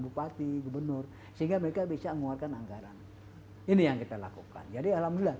bupati gubernur sehingga mereka bisa mengeluarkan anggaran ini yang kita lakukan jadi alhamdulillah